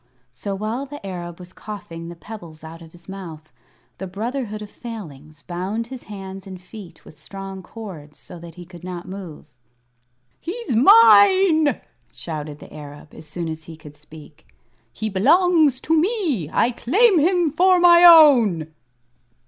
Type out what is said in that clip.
So while the Arab was coughing the pebbles out of his mouth, the Brotherhood of Failings bound his hands and feet with strong cords, so that he could not move. "He's mine!" shouted the Arab, as soon as he could speak. "He belongs to me. I claim him for my own."